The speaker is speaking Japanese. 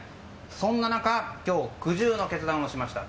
そんな中、今日苦渋の決断をしました。